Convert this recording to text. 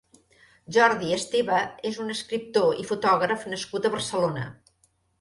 Jordi Esteva és un escriptor i fotògraf nascut a Barcelona.